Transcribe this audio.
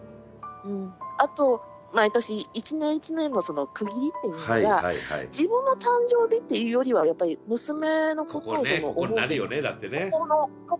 うんあと毎年１年１年のその区切りっていうのが自分の誕生日っていうよりはやっぱり娘のことをその思うというか。